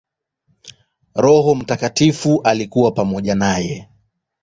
Roho Mtakatifu alikuwa pamoja naye.